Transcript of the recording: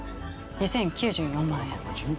２０９４万円。